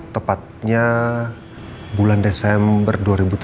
tepatnya bulan desember dua ribu tujuh belas